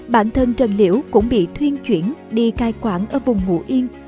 bản thân trần liễu cũng bị thuyên chuyển đi cai quản ở vùng ngũ yên